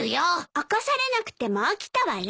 起こされなくても起きたわよ。